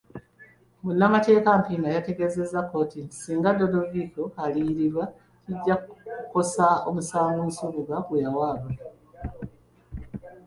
Munnmateeka Mpiima yategeezezza kkooti nti singa Dodoviko aliyiririrwa, kijja kukosa omusango Nsubuga gwe yawaaba.